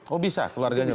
oh bisa keluarganya pak